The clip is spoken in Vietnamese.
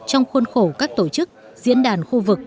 trong khuôn khổ các tổ chức diễn đàn khu vực